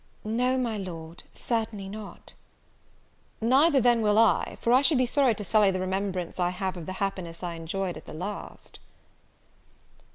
"No, my Lord, certainly not." "Neither then will I; for I should be sorry to sully the remembrance I have of the happiness I enjoyed at the last."